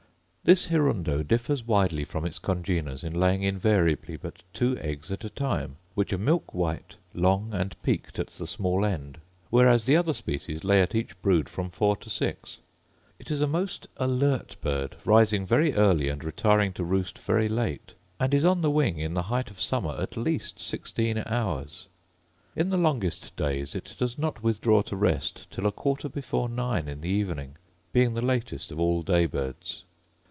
This hirundo differs widely from its congeners in laying invariably but two eggs at a time, which are milk white, long, and peaked at the small end; whereas the other species lay at each brood from four to six. It is a most alert bird, rising very early, and retiring to roost very late; and is on the wing in the height of summer at least sixteen hours. In the longest days it does not withdraw to rest till a quarter before nine in the evening, being the latest of all day birds.